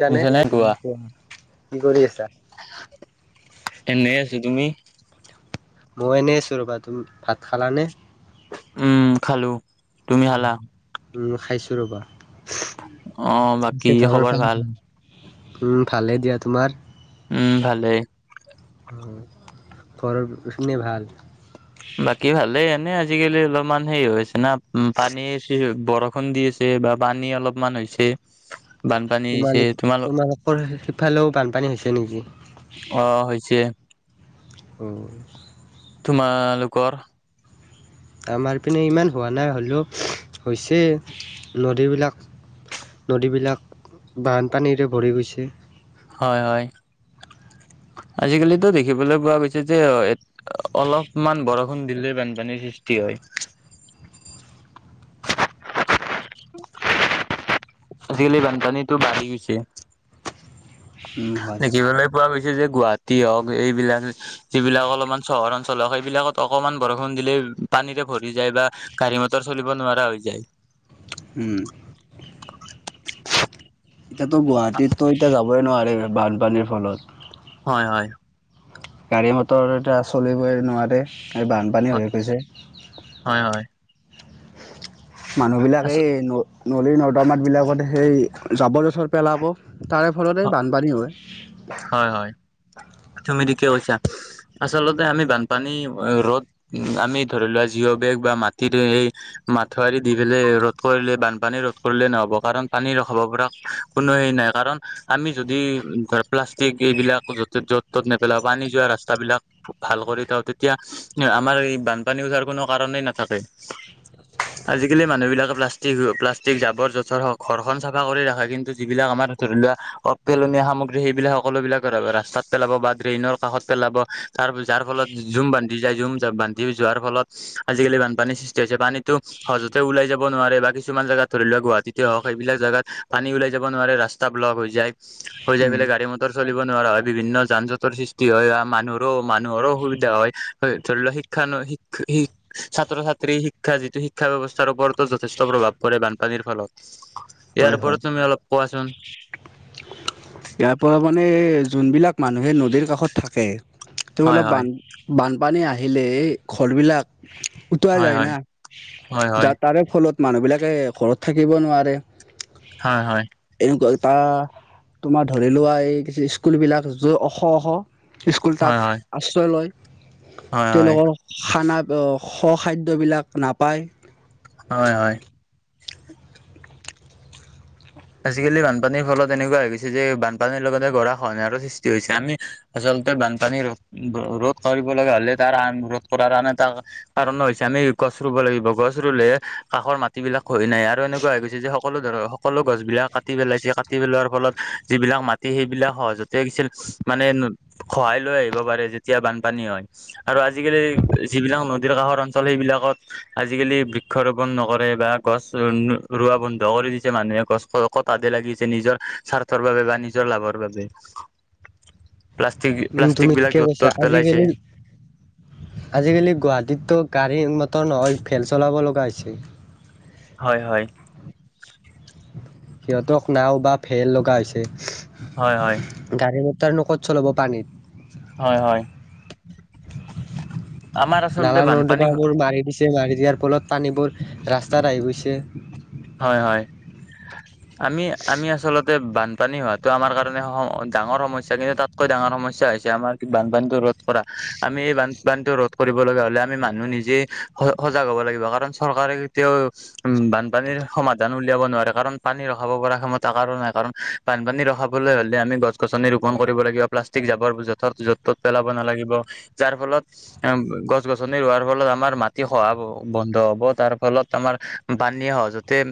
কাৰণে শুনিছানে? উম কোৱা কি কৰি আছা? এনেই আছোঁ তুমি? মই এনেই আছো ৰ'বা তুমি ভাত খালানে? উম খালোঁ। উম খাইছোঁ ৰবা‌ অ বাকী যে চহৰৰ খবৰ ফালে ভাল। উম ভালেই দিয়া তোমাৰ? উম ভালেই। উম ঘৰৰ পিনে ভাল? বাকী ভালেই এনেই আজিকালি অলপমান সেই হৈ আছে না উম পানী হৈছে বৰ ষুণ দি আছে বা পানী অলপমান হৈছে। বানপানী হৈছে তোমালো তোমাৰ তোমালোকৰ সিফালেও বানপানী হৈছে নেকি? অ হৈছে। ওম তোমালোকৰ? আমাৰ ইপিনে ইমান হোৱা নাই হ'লেও হৈছে নদীবিলাক। নদীবিলাক বানপানীৰে ভৰি গৈছে। হয় হয়, আজিকালিতো দেখিবলৈ পোৱা গৈছে যে অলপমান বৰষুণ দিলেই বানপানীৰ সৃষ্টি হয়। আজিকালি বানপানীতো বাঢ়ি গৈছে। উম হয় হয় দেখিবলৈ পোৱা গৈছে যে গুৱাহাটী হওঁক এইবিলাক যিবিলাক অলপমান চহৰ অঞ্চল হওঁক সেইবিলাকত অকণমান বৰষুণ দিলেই পানীৰে ভৰি যায় বা গাড়ী মটৰ চলিব নোৱাৰা হৈ যায়। উম এতিয়াতো গুৱাহাটীতটো এতিয়া যাবই নোৱাৰি বানপানীৰ ফলত হয় হয়। গাড়ী মটৰ এতিয়া চলিবই নোৱাৰে, এই বানপানী হয় হৈ গৈছে। হয় হয়। আ মানুহবিলাকে এই ন নদীৰ নৰ্দমাত বিলাকত সেই জাবৰ জোথৰ পেলাব। তাৰে ফলতে বানপানী হয়। হয় হয়। তুমি‌‌ ঠিকে কৈছাঁ। আচলতে আমি বানপানী ৰ'দ আমি ধৰি লোৱা জিঅ' বেগ বা মাটিৰে এই মথাউৰি দি পেলাই ৰোধ কৰিলে বানপানী ৰোধ কৰিলে নহ'ব কাৰণ পানী ৰখাব পৰা কোনো হেৰি নাই কাৰণ আমি যদি ধৰ প্লাষ্টিক এইবিলাক য'তে ততে তত নেপেলাও পানী যোৱা ৰাস্তাবিলাক ভাল কৰি থওঁ তেতিয়া আমাৰ এই বানপানী উঠাৰ কোনো কাৰণেই নাথাকে। আজিকালি মানুহবিলাকে প্লাষ্টিক প্লাষ্টিক জাবৰ জোথৰ ঘৰখন চাফা কৰি ৰাখে কিন্তু যিবিলাক আমাৰ ধৰি লোৱা অ পেলনীয়া সামগ্ৰী সেইবিলাক সকলোবিলাক ৰাস্তাত পেলাব বা ড্ৰেইনৰ কাষত পেলাব তাৰ যাৰ ফলত জুম বান্ধি যায় জুম বান্ধি যোৱাৰ ফলত আজিকালি বানপানীৰ সৃষ্টি হৈছে পানীটো সহজতে ওলাই যাব নোৱাৰে বা কিছুমান জাগাত ধৰি লোৱা গুৱাহাটীতে হওঁক সেইবিলাক জাগাত পানী ওলাই যাব নোৱাৰে ৰাস্ত ৰাস্তা ব্লক হৈ যায় হৈ যায় ফেলে গাড়ী মটৰ চলিব নোৱাৰা হয়। বিভিন্ন যান জটৰ সৃষ্টি হয় বা মানুহৰো মানুহৰো অসুবিধা হয় ধৰি লোৱা শিক্ষানু শিক্ষা শিক ছাত্ৰ ছাত্ৰী শিক্ষা যিটো শিক্ষা ব্যৱস্থাৰ ওপৰতো যথেষ্ট প্ৰভাৱ পৰে বানপানীৰ ফলত ইয়াৰ ওপৰত তুমি অলপ কোৱাচোন ইয়াৰ পৰা মানে যোনবিলাক মানুহে নদীৰ কাষত থাকে তেওঁ হয় অলপ হয় বান বানপানী আহিলেই ঘৰবিলাক উটুৱাই হয় যায় না হয় হয় যাৰ তাৰে ফলত মানুহ বিলাকে ঘৰত থাকিব নোৱাৰে হয় হয় এনেকুৱা এটা তোমাৰ ধৰি লোৱা এই কি স্কুলবিলাক য অখ অখ স্কুল হয় তাত হয় হয় আশ্ৰয় লয় হয় হয় তেওঁলোকৰ খানা খ খাদ্যবিলাক নাপায় হয় হয় আজিকালি বানপানীৰ ফলত এনেকুৱা হৈ গৈছে যে বানপানীৰ লগতে গৰা খহনীয়াৰো সৃষ্টি হৈছে আমি আচলতে বানপানী ৰোধ ৰোধ কৰিব লগা হ'লে তাৰ আন ৰোধ কৰাৰ আন এটা কাৰণ হৈছে আমি গছ ৰুব লাগিব গছ ৰুলেহে কাষৰ মাটিবিলাক ক্ষহি নাহে আৰু এনেকুৱা হৈ গৈছে যে সকলো ধৰক সকলো গছ বিলাক কাটি পেলাইছে কাটি পেলোৱাৰ ফলত যিবিলাক মাটি সেইবিলাক সহজতে গৈছিল মানে সহায় লৈ আহিব পাৰে যেতিয়া বানপানী হয় আৰু আজিকালি যিবিলাক নদীৰ কাষৰ অঞ্চল সেইবিলাকত আজিকালি বৃক্ষ ৰোপন নকৰে বা গছ ৰোৱা বন্ধ কৰি দি মানুহে গছ কটাতে লাগিছে নিজৰ স্বাৰ্থৰ বাবে বা নিজৰ লাভৰ বাবে প্লাষ্টিক উম প্লাষ্টিক তুমি বিলাক ঠিকে য'ত কৈছা ত'ত পেলাইছে আজিকালি আজিকালি গুৱাহাটীতত গাড়ী মটৰ নহয় ফেল চলাব লগা হৈছে হয় হয় সিহঁতক নাও বা ফেল লগা হৈছে হয় হয় গাড়ী মটৰ নো ক'ত চলাব পানীত হয় হয় আমাৰ আচলতে নালা বানপানী নৰ্দমাবোৰ মাৰি দিছে মাৰি দিয়াৰ ফলত পানী বোৰ ৰাস্তাত আহি গৈছে হয় হয় [unintelligible] আমি আমি আচলতে বানপানী হোৱাটো আমাৰ কাৰণে ডাঙৰ সমস্যা কিন্তু তাত কৈ ডাঙৰ সমস্যা হৈছে আমাৰ বানপানীতো ৰোধ কৰা আমি এই বানপানীটো ৰোধ কৰিব লগা হলে আমি মানুহে নিজে সজাগ হ'ব লাগিব কাৰণ চৰকাৰে কেতিয়াও উম বান পানীৰ সমাধান উলিয়াব নোৱাৰে কাৰণ পানী ৰখাব পৰা ক্ষমতা কাৰো নাই কাৰণ বানপানী ৰখাবলৈ হ'লে আমি গছ গছনি ৰোপন কৰিব লাগিব প্লাষ্টিক জাবৰথৰ য'ত ত'ত পেলাব নালাগিব যাৰ ফলত গছ গছনি ৰোৱাৰ ফলত আমাৰ মাটি খহাৰ বন্ধ হব তাৰ ফলত আমাৰ পানী সহজ যতে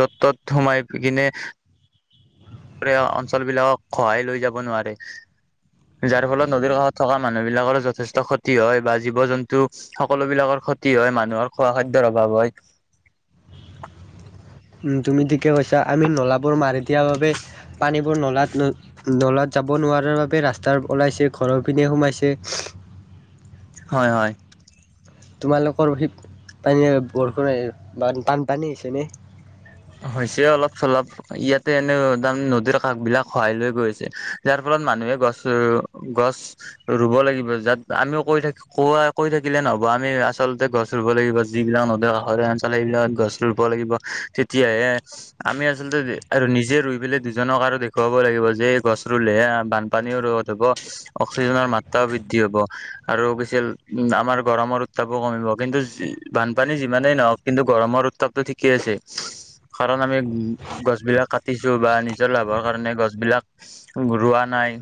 য'ত ত'ত সোমাই কিনে প্ৰেয় অঞ্চলবিলাকক খহাই লৈ যাব নোৱাৰে যাৰ ফলত নদীৰ কাষত থকা মানুহ বিলাকৰ যথেষ্ট ক্ষতি হয় বা জীৱ জন্তু সকলো বিলাকৰ ক্ষতি হয় মানুহৰ খোৱা খাদ্যৰ অভাৱ হয় তুমি ঠিকে কৈছা আমি নলাবোৰ মাৰি দিয়াৰ বাবে পানীবোৰ নলাত লৈ নলাত যাব নোৱাৰাৰ বাবে ৰাস্তাত ওলাইছে ঘৰৰ পিনে সোমাইছে হয় হয় তোমালোকৰ সেই পানী বৰষুণ বানপানী হৈছে নে হৈছে অলপ চলপ ইয়াতে এনে তাৰ নদীৰ কাষ বিলাক খহায় লৈ গৈ আছে যাৰ ফলত মানুহে গছ গছ ৰুব লাগিব যাত আমিও কৈ থাক কোৱা কৈ থাকিলে নহব আমি আচলতে গছ গছ ৰুব লাগিব যিবিলাক নদীৰ কাষৰীয়া অঞ্চল সেইবিলাক গছ ৰুব লাগিব তেতিয়াহে আমি আচলতে আৰু নিজে ৰুই পেলাই দুজনক আৰু দেখুৱাব লাগিব যে এই গছ ৰুলেহে বানপানীও ৰোধ হব অক্সিজেনৰ মাত্ৰাও বৃদ্ধি হব আৰু কৈছিল উম আমাৰ গৰমৰ উত্তাপো কমিব কিন্তু বানপানী যিমানেই নহওক কিন্তু গৰমৰ উত্তাপ ঠিকে আছে কাৰণ আমি গছবিলাক কাটিছোঁ বা নিজৰ লাভৰ কাৰণে গছবিলাক ৰোৱা নাই,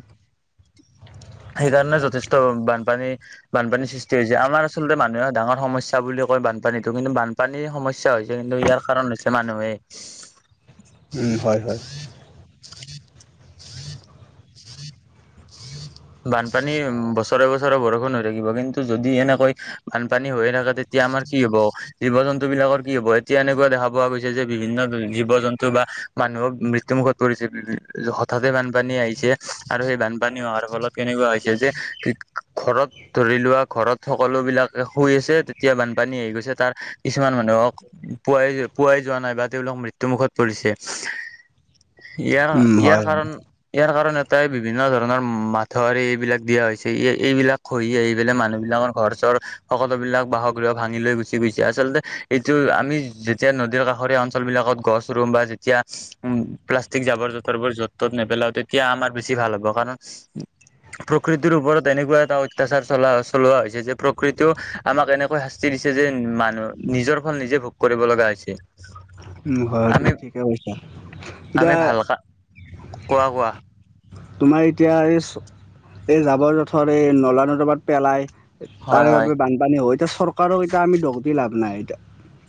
সেইকাৰণে যথেষ্ট বানপানী বানপানীৰ সৃষ্টি হৈছে! আমাৰ আচলতে মানুহে ডাঙৰ সমস্যা বুলি কয় বানপানীতো, কিন্তু বান পানীৰ, সমস্যা হৈছে, কিন্তু ইয়াৰ কাৰণ হৈছে মানুহে! উম, হয়, হয়! বানপানী বছৰে, বছৰে বৰষুণ হৈ থাকিব, কিন্তু যদি এনেকৈ বানপানী হৈয়ে থাকে তে তিয়া, আমাৰ কি হ'ব? জীৱ জন্তু বিলাকৰ কি হ'ব? এতিয়া এনেকুৱা দেখা পোৱা গৈছে যে বিভিন্ন জীৱ জন্তু বা মানুহক মৃত্যুমুখত পৰিছে! হঠাতে বানপানী আহিছে আৰু সেই বানপানী অহাৰ ফলত কেনেকুৱা হৈছে, যে ঘৰত ধৰি লোৱা ঘৰত সকলো বিলাকে শুই আছে, তেতিয়া বানপানী আহি গৈছে! তাৰ কিছুমান মানুহক পোৱাই, পোৱাই যোৱা নাই বা তেওঁলোক মৃত্যুমুুখত পৰিছে! ইয়াৰ, ইয়াৰ কাৰণ ইয়াৰ কাৰণ এটাই বিভিন্ন ধৰণৰ মা ধৰে এইবিলাক দিয়া হৈছে এই এইবিলাক খহি আহি পেলাই মানুহ বিলাকৰ ঘৰ চৰ সকলোবিলাক বাস গৃহ, ভাঙি লৈ গুচি গৈছে! আচলতে এইটো আমি যেতিয়া নদীৰ কাষৰীয়া অঞ্চল বিলাকত গছ ৰুম বা যেতিয়া উম! প্লাষ্টিক জাবৰ জোঁথৰবোৰ য'ত ত'ত নেপেলাওঁ, তেতিয়া আমাৰ বেছি ভাল হ'ব! কাৰণ প্ৰকৃতিৰ ওপৰত এনেকুৱা এটা অত্যাচাৰ চলা চলোৱা হৈছে যে প্ৰকৃতিও আমাক এনেকৈ শা স্তি, দিছে যে মানুহ নিজৰ ফল নিজে ভোগ কৰিব লগা হৈছে! উম, হয়! আমি তুমি ঠিকেই কৈছা! এতিয়া আমি ভাল কা কোৱা, কোৱা! তোমাৰ এতিয়া এই, এই জাবৰ জোঁথৰ এই নলা নৰ্দমাত পেলাই হয় তাৰে হয় বাবে বানপানী হয়! এতিয়া চৰকাৰক এতিয়া আমি দোষ দি লাভ নাই এতিয়া!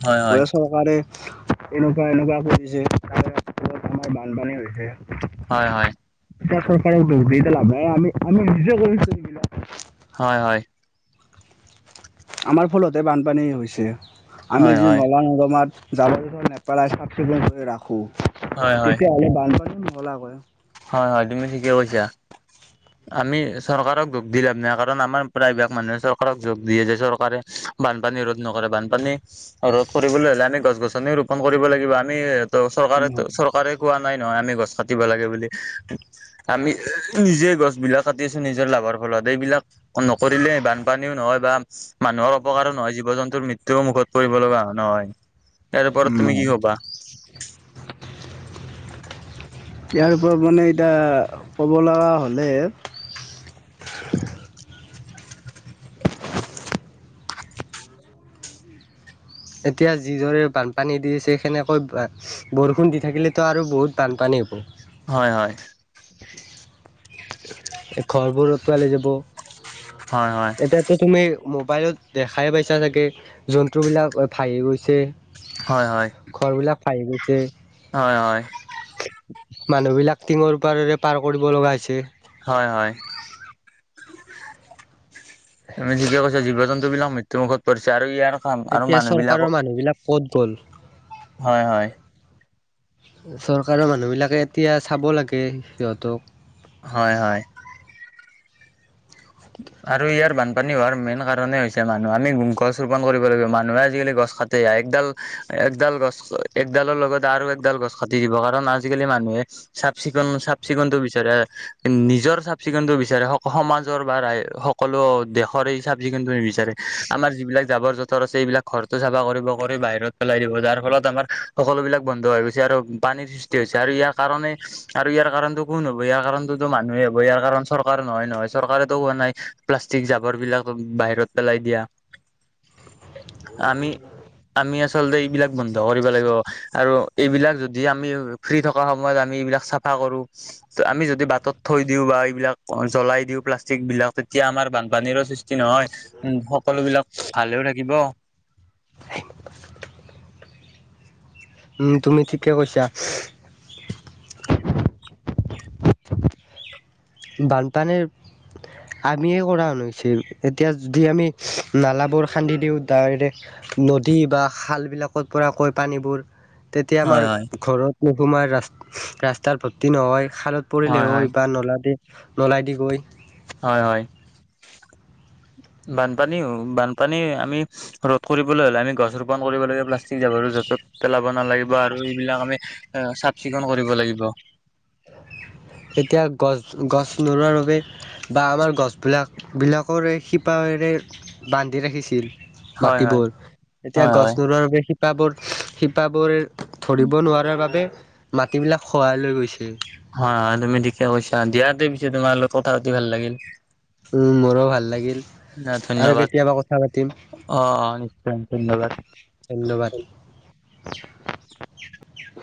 হয় হয় [inaudible] চৰকাৰে এনেকুৱা, এনেকুৱা কৰিছে তাৰ [unintelligible] বানপানী হৈছে! হয়, হয়! এতিয়া চৰকাৰক দোষ দি এতিয়া লাভ নাই! আমি, আমি নিজে কৰিছোঁ! হয়, হয়! আমাৰ ফলতে বানপানী হৈছে! আমি হয় যি হয় নলা নদমাত জাবৰ জোঁথৰ নেপেলাই চাফ চিকুণ কৰি ৰাখোঁ, হয় হয় তেতিয়াহ'লে বানপানী নহ'লাক হয়! হয়, হয়! তুমি ঠিকেই কৈছা! [inaudible] আমি চৰকাৰক দোষ দি লাভ নাই, কাৰণ আমাৰ প্ৰায়ভাগ মানুহে চৰকাৰক যোগ দিয়ে যে চৰকাৰে বানপানী ৰোধ নকৰে। বানপানী ৰোধ কৰিবলৈ হ'লে আমি গছ গছনি ৰোপন কৰিব লাগিব। আমি ত' চৰকাৰে ত' চৰকাৰে কোৱা নাই নহয় আমি গছ কাটিব লাগে বুলি। আমি নিজেই গছবিলাক কাটি আছোঁ, নিজৰ লাভৰ ফলত। এইবিলাক নকৰিলে বানপানীও নহয় বা মানুহৰ অপকাৰো নহয়, জীৱ জন্তুৰ মৃত্যুও মুখত পৰিব লগা নহয়। ইয়াৰ ওপৰত তুমি উম। কি কবা ইয়াৰ ওপৰত মানে এতিয়া ক'ব লগা হ'লে এতিয়া যিদৰে বানপানী দিছে সেনেকৈ বৰষুণ দি থাকিলেতো আৰু বহুত বানপানী হ'ব। হয়, হয়। ঘৰবোৰ উটুৱাই লৈ যাব। হয়, হয়। এতিয়াতো তুমি মোবাইলত দেখাই পাইছা চাগে জন্তুবিলাক ভাঁহি গৈছে। হয় হয় ঘৰবিলাক ভাঁহি গৈছে। হয়, হয়। মানুহবিলাক টিঙৰ পাৰেৰে পাৰ কৰিব লগা হৈছে। হয়, হয়। তুমি ঠিকে কৈছা, জীৱ জন্তুবিলাক মৃ ত্যুমুখত পৰিছে আৰু ইয়াৰ কাম আৰু এতিয়া মানুহ চৰকাৰৰ বিলাকক মানুহবিলাক ক'ত গ'ল? হয়, হয়। চৰকাৰৰ মানুহবিলাকে এতিয়া চাব লাগে সিহঁতক। হয়, হয়। [inaudible] আৰু ইয়াৰ বানপানী হোৱাৰ মেইন কাৰণেই হৈছে মানুহ। আমি গছ ৰোপণ কৰিব লাগিব, মানুহে আজিকালি গছ কাটে একডাল একডাল গছ একডালৰ লগত আৰু একডাল গছ কাটি দিব কাৰণ আজিকালি মানুহে চাফ চিকুণ, চাফ চিকুণটো বিচাৰে, নিজৰ চাফ চিকুণটো বিচাৰে স-সমাজ জৰ বা ৰাই সকলো দেশৰেই চাফ চিকুণটো নিবিচাৰে, আমাৰ যিবিলাক জাবৰ জোথৰ আছে এইবিলাক ঘৰটো চাফা কৰিব কৰি বাহিৰত পেলাই দিব যাৰ ফলত আমাৰ সকলোবিলাক বন্ধ হৈ গৈছে আৰু পানীৰ সৃষ্টি হৈছে আৰু ইয়াৰ কাৰণে আৰু ইয়াৰ কাৰণটো কোন হ'ব, ইয়াৰ কাৰণটো মানুহে হ'ব, ইয়াৰ কাৰণ চৰকাৰ নহয় নহয়। চৰকাৰেতো কোৱা নাই প্লাষ্টিক জাবৰবিলাক বাহিৰত পেলাই দিয়া। আমি আমি আচলতে এইবিলাক বন্ধ কৰিব লাগিব আৰু এইবিলাক যদি আমি ফ্ৰী থকা সময়ত আমি এইবিলাক চাফা কৰোঁ ত' আমি যদি বাটত থৈ দিওঁ বা এইবিলাক জ্বলাই দিওঁ প্লাষ্টিকবিলাক, তেতিয়া আমাৰ বানপানীৰো সৃষ্টি নহয় উ, সকলোবিলাক ভালেও থাকিব। উম, তুমি ঠিকে কৈছা। বানপানীৰ আমিয়ে কৰা হৈছে, এতিয়া যদি আমি নালা বোৰ খান্দি দিওঁ, ডাইৰে নদী বা খালবিলাকৰ পৰা কৈ পানীবোৰ তেতিয়া আমাৰ হয় হয় ঘৰত নোসোমাই ৰা-ৰাস্তাৰ ভৰ্তি নহয় খালত পৰিলে হয় বা নলা দি নলাই দি গৈ হয়, হয়। [inaudible] বানপানীও, বানপানী আমি ৰ'দ কৰিবলৈ হ'লে আমি গছ ৰোপন কৰিব লাগিব, প্লাষ্টিক জাবৰো য'ত ত'ত পেলাব নালাগিব আৰু এইবিলাক আমি এ, চাফ চিকুন কৰিব লাগিব। এতিয়া গছ- গছ নোৰোৱাৰ বাবে বা আমাৰ গছবিলাক বিলাকৰে শিপাৰেৰে বান্ধি ৰাখিছিল। হয় হয় মাটিবোৰ এতিয়া হয় গছ হয় নোৰোৱাৰ বাবে শি পাবোৰ শিপাবোৰে ধৰিব নোৱাৰাৰ বাবে মাটিবিলাক খহাই লৈ গৈছে। হয় তুমি ঠিকে কৈছা, দিয়াতে পিছে তোমাৰ লগত কথা পাতি ভাল লাগিল। উম মোৰো ভাল লাগিল আৰু ধন্যবাদ কেতিয়াবা কথা পাতিম। অ নিশ্চয় - নিশ্চয় ধন্যবাদ। ধন্যবাদ।